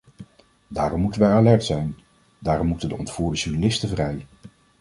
Daarom moeten wij alert zijn, daarom moeten de ontvoerde journalisten vrij.